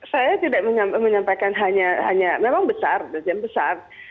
saya tidak menyampaikan hanya memang besar